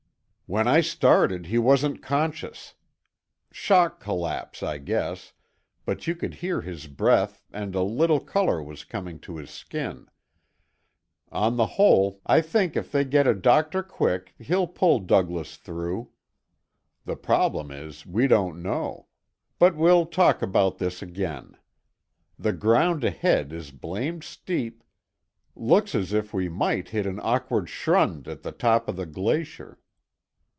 "When I started he wasn't conscious. Shock collapse, I guess, but you could hear his breath and a little color was coming to his skin. On the whole, I think if they get a doctor quick he'll pull Douglas through. The trouble is, we won't know But we'll talk about this again. The ground ahead is blamed steep. Looks as if we might hit an awkward schrund at the top of the glacier.